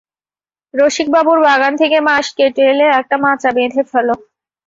রসিকবাবুর বাগান থেকে বাঁশ কেটে এলে একটা মাচা বেঁধে ফ্যালো।